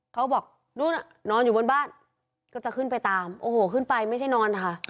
เขาบอกนู่นนอนอยู่บนบ้านก็จะขึ้นไปตามโอ้โหขึ้นไปไม่ใช่นอนนะคะ